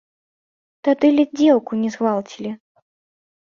Тады ледзь дзеўку не згвалцілі.